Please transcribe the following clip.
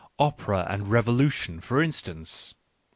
... Opera and re volution, for instance.